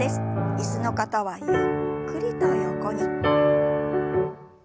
椅子の方はゆっくりと横に。